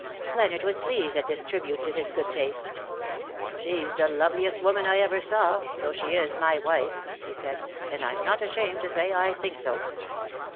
Leonard was pleased at this tribute to his good taste. " She's the loveliest woman I ever saw^ though she is my wife/' he said; '^ and I'm not ashamed to say I think so."